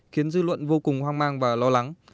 khiến dư luận vô cùng hoang mang và lo lắng